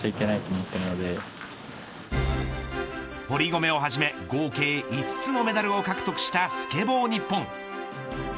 堀米をはじめ合計５つのメダルを獲得したスケボー日本。